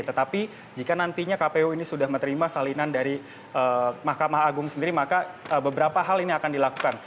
tetapi jika nantinya kpu ini sudah menerima salinan dari mahkamah agung sendiri maka beberapa hal ini akan dilakukan